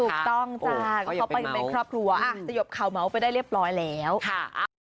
ถูกต้องจ้างเขาไปเป็นครับครัวอ่ะจะหยบเข่าม้าวไปได้เรียบร้อยแล้วค่ะ